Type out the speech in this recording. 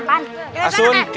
ayo coba majuin sepedanya